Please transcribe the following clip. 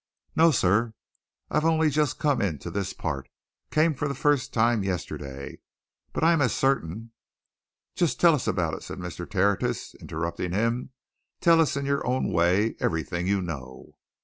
"No, sir. I've only just come into this part came for the first time yesterday. But I'm as certain " "Just tell us all about it," said Mr. Tertius, interrupting him. "Tell us in your own way. Everything, you know."